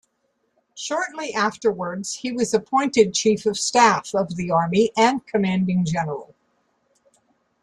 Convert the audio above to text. Shortly afterwards he was appointed Chief of Staff of the Army and Commanding General.